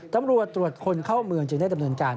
ตำรวจตรวจคนเข้าเมืองจึงได้ดำเนินการ